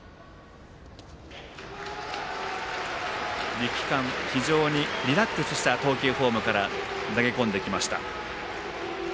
力感、非常にリラックスした投球フォームから投げ込んできました。